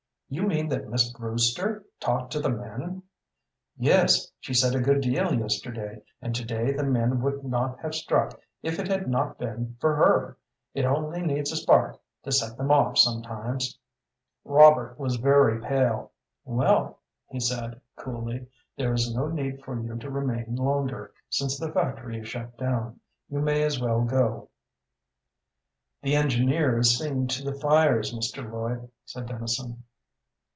"You mean that Miss Brewster talked to the men?" "Yes; she said a good deal yesterday, and to day the men would not have struck if it had not been for her. It only needs a spark to set them off sometimes." Robert was very pale. "Well," he said, coolly, "there is no need for you to remain longer, since the factory is shut down. You may as well go." "The engineer is seeing to the fires, Mr. Lloyd," said Dennison.